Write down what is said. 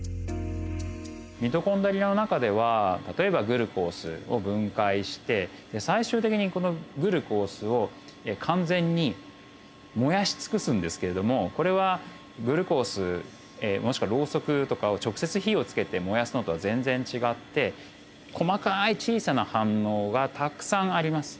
ミトコンドリアの中では例えばグルコースを分解して最終的にグルコースを完全に燃やし尽くすんですけれどもこれはグルコースもしくはろうそくとかを直接火をつけて燃やすのとは全然違って細かい小さな反応がたくさんあります。